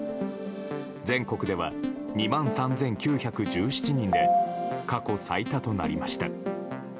全国では２万３９１７人で過去最多となりました。